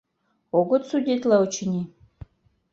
— Огыт судитле, очыни.